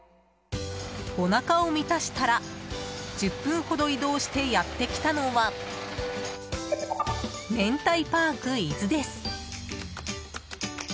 おなかを満たしたら、１０分ほど移動してやってきたのはめんたいパーク伊豆です。